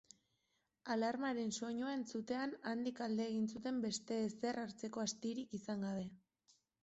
Alarmaren soinua entzutean handik alde egin zuten beste ezer hartzeko astirik izan gabe.